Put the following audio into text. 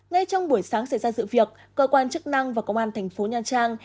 ngay trong buổi sáng xảy ra sự việc cơ quan chức năng và công an thành phố nha trang